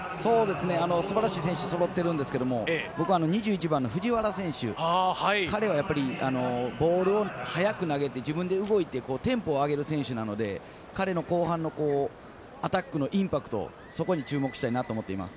素晴らしい選手が揃ってるんですけれども、２１番の藤原選手、彼はやっぱりボールを早く投げて、自分で動いてテンポを上げる選手なので、彼の後半のアタックのインパクト、そこに注目したいなと思ってます。